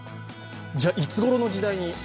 じゃ、いつごろの時代に？